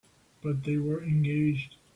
But they were engaged.